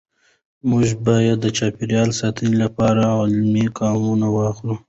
موږ باید د چاپېریال ساتنې لپاره عملي ګامونه واخلو